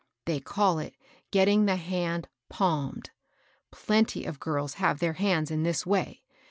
They call it getting the hand palmed. Plenty of girls have their hands in this way.